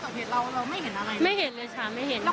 ก็พี่ออกข้างนอกข้างไปเลยค่ะอ๋อแล้วเมื่อกี้พี่เข้าไปยังไง